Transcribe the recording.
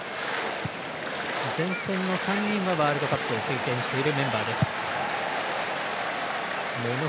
前線の３人はワールドカップを経験しているメンバーです。